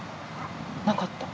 なかった？